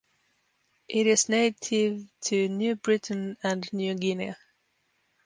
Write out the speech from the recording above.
It is native to New Britain and New Guinea.